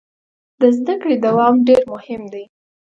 د زده کړې دوام ډیر مهم دی.